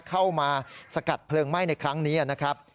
เข้ามาสกัดเพลิงไหม้ในครั้งนี้นะครับ